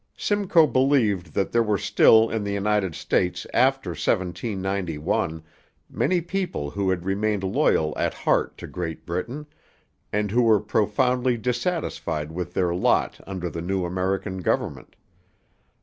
Simcoe believed that there were still in the United States after 1791 many people who had remained loyal at heart to Great Britain, and who were profoundly dissatisfied with their lot under the new American government.